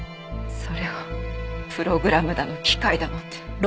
それをプログラムだの機械だのって。